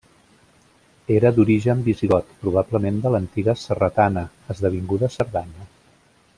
Era d'origen visigot, probablement de l'antiga Cerretana, esdevinguda Cerdanya.